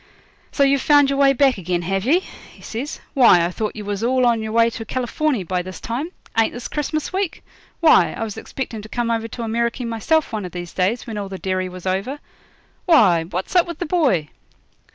'So you've found your way back again, have ye?' he says. 'Why, I thought you was all on your way to Californy by this time. Ain't this Christmas week? Why, I was expecting to come over to Ameriky myself one of these days, when all the derry was over Why, what's up with the boy?'